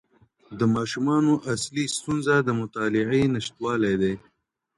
د ماشومانو اصلي ستونزه د مطالعې نشتوالی دی.